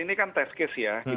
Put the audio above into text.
ini kan test case ya